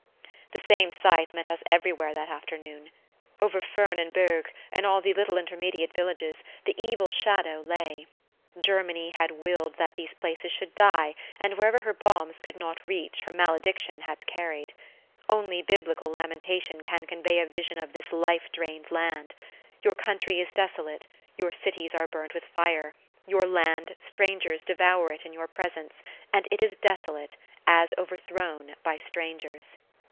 The same sight met us everywhere that afternoon. Over Furnes and Bergues, and all the little intermediate villages, the evil shadow lay. Germany had willed that these places should die, and wherever her bombs could not reach her malediction had carried. Only Biblical lamentation can convey a vision of this life drained land. "Your country is desolate; your cities are burned with fire; your land, strangers devour it in your presence, and it is desolate, as overthrown by strangers."